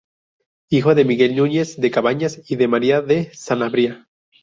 Hijo de Miguel Núñez de Cabañas y de María de Sanabria.